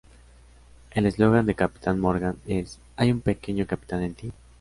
El eslogan de Captain Morgan es: "¿Hay un pequeño capitán en ti?